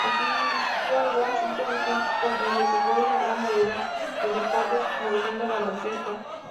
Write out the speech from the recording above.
Asistió al Washington High School, donde jugó una gran variedad de deportes, incluyendo baloncesto.